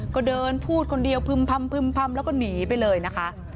ก็เดินพูดคนเดียวพึ่มแล้วก็หนีไปเลยนะคะ